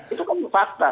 itu kan fakta